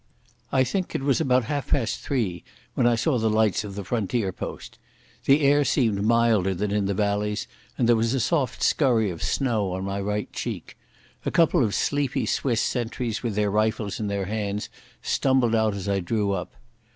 I think it was about half past three when I saw the lights of the frontier post. The air seemed milder than in the valleys, and there was a soft scurry of snow on my right cheek. A couple of sleepy Swiss sentries with their rifles in their hands stumbled out as I drew up.